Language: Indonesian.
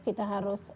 kita harus bekerja